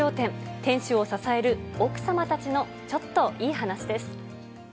店主を支える奥様たちのちょっといい話です。